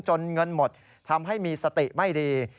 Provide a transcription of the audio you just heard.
เงินหมดทำให้มีสติไม่ดี